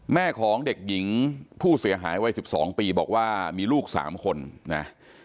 แม่ของเด็กหญิงผู้เสียหายวัย๑๒ปีบอกว่ามีลูก๓คนนะ